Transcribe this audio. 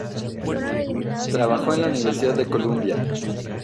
Trabajó en la Universidad de Columbia.